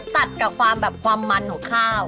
ตัดกับความมันของข้าว